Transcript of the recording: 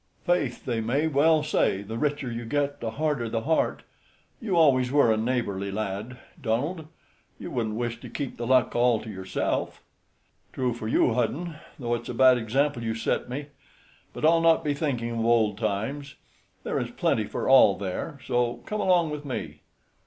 "Faith, they may well say, the richer you get, the harder the heart. You always were a neighborly lad, Donald. You wouldn't wish to keep the luck all to yourself?" "True for you, Hudden, though it's a bad example you set me. But I'll not be thinking of old times. There is plenty for all there, so come along with me."